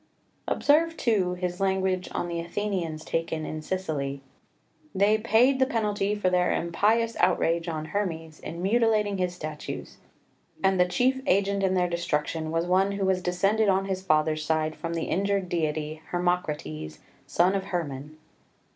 3 Observe, too, his language on the Athenians taken in Sicily. "They paid the penalty for their impious outrage on Hermes in mutilating his statues; and the chief agent in their destruction was one who was descended on his father's side from the injured deity Hermocrates, son of Hermon."